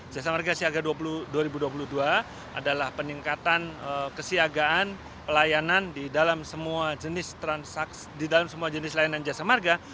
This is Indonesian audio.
jasa marga siaga dua ribu dua puluh dua adalah peningkatan kesiagaan pelayanan di dalam semua jenis transaksi di dalam semua jenis layanan jasa marga